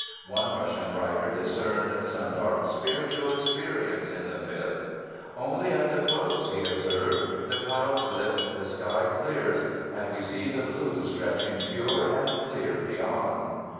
One Russian writer discerned "some dark spiritual experience" in the Fifth. "Only at the close," he observed, "the clouds lift, the sky clears, and we see the blue stretching pure and clear beyond."